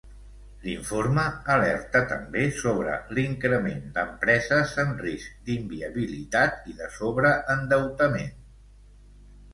L'informe alerta també sobre l'increment d'empreses en risc d'inviabilitat i de sobreendeutament.